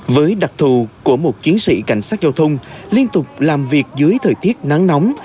với đặc thù của một chiến sĩ cảnh sát giao thông liên tục làm việc dưới thời tiết nắng nóng